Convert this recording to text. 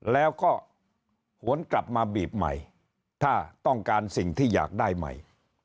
แล้วก็หวนกลับมาบีบใหม่ถ้าต้องการสิ่งที่อยากได้ใหม่